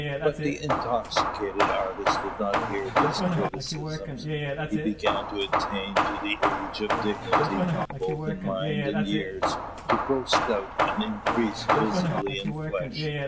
But the intoxicated artist did not hear these criticisms. He began to attain to the age of dignity, both in mind and years: to grow stout, and increase visibly in flesh.